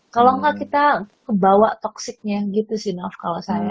kalau enggak kita bawa toxicnya gitu sih enough kalau saya